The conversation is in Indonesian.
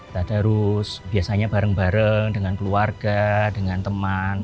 tadarus biasanya bareng bareng dengan keluarga dengan teman